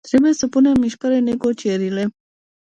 Trebuie să punem în mișcare negocierile.